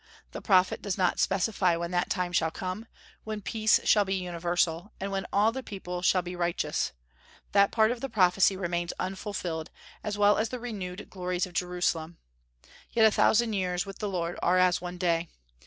The prophet does not specify when that time shall come, when peace shall be universal, and when all the people shall be righteous; that part of the prophecy remains unfulfilled, as well as the renewed glories of Jerusalem. Yet a thousand years with the Lord are as one day.